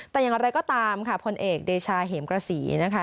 แต่อย่างไรก็ตามค่ะพลเอกเดชาเหมกระสีนะคะ